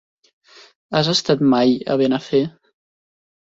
Has estat mai a Benafer?